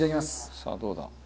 さあどうだ？